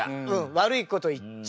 悪いこと言っちゃう。